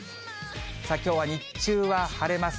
きょうは日中は晴れます。